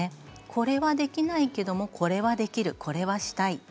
これはできないけどこれはできる、これはしたい。